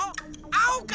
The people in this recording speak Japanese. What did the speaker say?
あおか？